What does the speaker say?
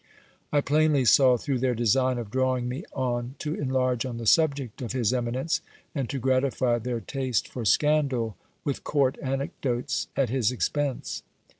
I plainly saw through their design of drawing me on to enlarge on the subject of his eminence, and to gratify their taste for scandal with court anecdotes at his 348 GIL BLAS. expense.